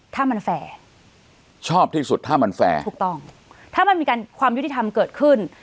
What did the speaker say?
ถ้ามันแฟร์ชอบที่สุดถ้ามันแฟร์ถูกต้องถ้ามันมีการความยุติธรรมเกิดขึ้น